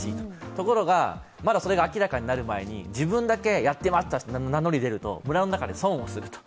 ところが、まだそれが明らかになる前に、自分だけやってましたと名乗り出ると、村の中で損をすると。